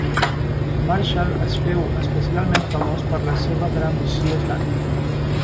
Marshall es féu especialment famós per la seva gran visió tàctica.